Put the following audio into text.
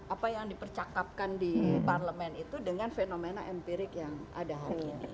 apa yang dipercakapkan di parlemen itu dengan fenomena empirik yang ada hari ini